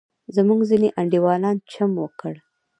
زموږ ځینې انډیوالان چم وکړ.